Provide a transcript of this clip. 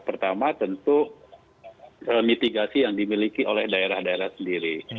pertama tentu mitigasi yang dimiliki oleh daerah daerah sendiri